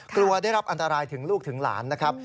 กลัวได้รับอันตรายถึงลูกถึงหลานนะครับ